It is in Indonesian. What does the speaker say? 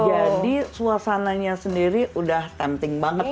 jadi suasananya sendiri udah tempting banget ya